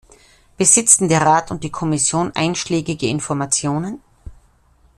Besitzen der Rat und die Kommission einschlägige Informationen?